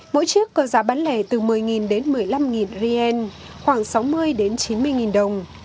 mỗi chiếc có giá bán lẻ từ một mươi đến một mươi năm rien khoảng sáu mươi đến chín mươi nghìn đồng